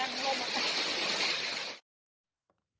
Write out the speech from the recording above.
อำเภอไซน้อยจังหวัดนนทบุรี